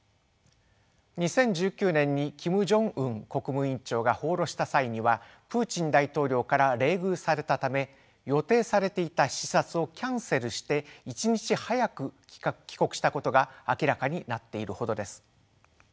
２０１９年にキム・ジョンウン国務委員長が訪ロした際にはプーチン大統領から冷遇されたため予定されていた視察をキャンセルして１日早く帰国したことが明らかになっているほどです。